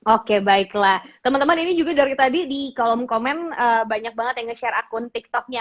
oke baiklah teman teman ini juga dari tadi di kolom komen banyak banget yang nge share akun tiktoknya